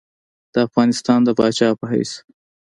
د افغانستان د پاچا په حیث.